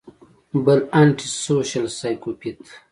بل انټي سوشل سايکوپېت